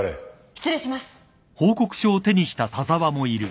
失礼します。